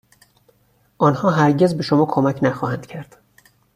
آنها هرگز به شما کمک نخواهد کرد.